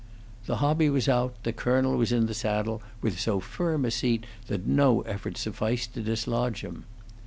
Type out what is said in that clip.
The hobby was out, the colonel was in the saddle with so firm a seat that no effort sufficed to dislodge him.